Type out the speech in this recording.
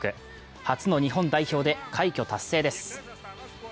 初の日本代表で快挙達成です。